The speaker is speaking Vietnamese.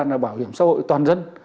là bảo hiểm xã hội toàn dân